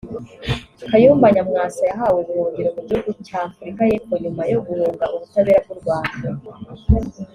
Kayumba Nyamwasa yahawe ubuhungiro mu gihugu cy Afurika y’epfo nyuma yo guhunga ubutabera bw’u Rwanda